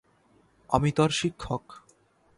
আমি তার শিক্ষক।